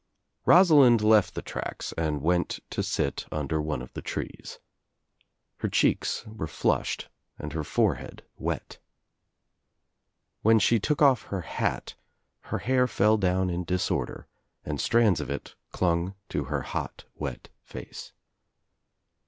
Rosalind left the tracks and went to sit under one of the trees. Her cheeks were flushed and her forehead wet. When she took off her hat her hair fell down in disorder and strands of it clung to her hot wet face.